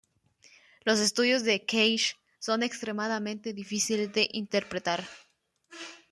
Los estudios de Cage son extremadamente difíciles de interpretar.